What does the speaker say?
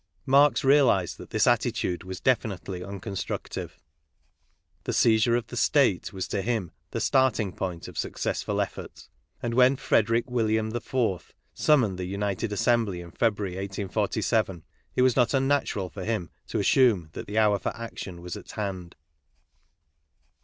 Marx realized that this attitude was definitely unconstructive. The seizure of the State was to him the starting point of successful effort, and when Frederic William IV summoned the United Assembly in Februar}', 1847, it was not unnatural for him to assume that the hour for action was at hand.